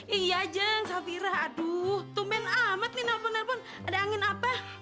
iya jeng syafira aduh tumpen amat nih nelfon nelfon ada angin apa